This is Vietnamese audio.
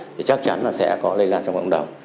thì chắc chắn là sẽ có lây lan trong cộng đồng